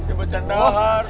ya pak candahar